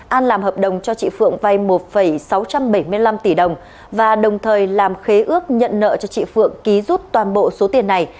an làm hợp đồng cho chị phượng vay một sáu trăm bảy mươi năm tỷ đồng và đồng thời làm khế ước nhận nợ cho chị phượng ký rút toàn bộ số tiền này